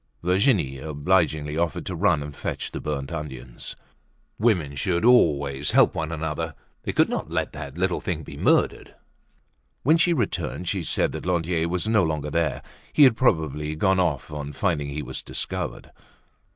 Virginie obligingly offered to run and fetch the burnt onions. Women should always help one another, they could not let that little thing be murdered. When she returned she said that Lantier was no longer there; he had probably gone off on finding he was discovered.